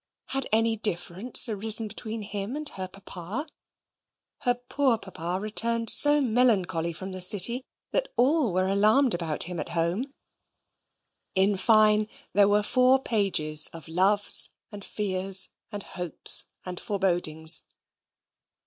Had any difference arisen between him and her papa? Her poor papa returned so melancholy from the City, that all were alarmed about him at home in fine, there were four pages of loves and fears and hopes and forebodings.